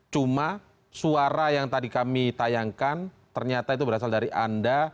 cuma suara yang tadi kami tayangkan ternyata itu berasal dari anda